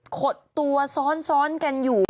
ขดตัวซ้อนกันอยู่